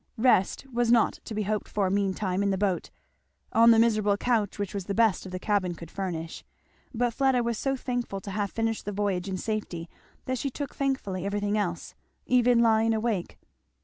Kest was not to be hoped for meantime in the boat, on the miserable couch which was the best the cabin could furnish; but Fleda was so thankful to have finished the voyage in safety that she took thankfully everything else, even lying awake.